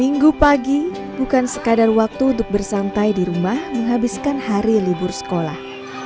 minggu pagi bukan sekadar waktu untuk bersantai di rumah menghabiskan hari libur sekolah